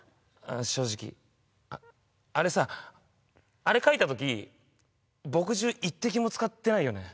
うん正直あれさあれ書いた時墨汁一滴も使ってないよね